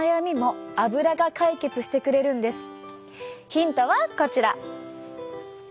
ヒントはこちら。